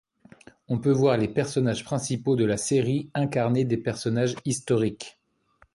On peut voir les personnages principaux de la série incarner des personnages historiques.